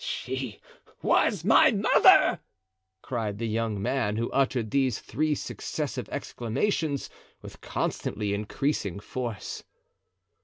"She was my mother!" cried the young man, who uttered these three successive exclamations with constantly increasing force.